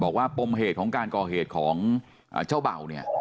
ปมเหตุของการก่อเหตุของเจ้าเบ่าเนี่ย